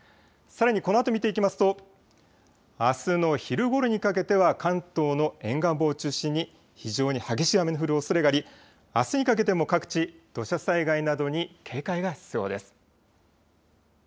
さらにこのあとを見ていきますとあすの昼ごろにかけては関東の沿岸部を中心に非常に激しい雨の降るおそれがあり、あすにかけても各地、土砂災害などに警戒が必要です。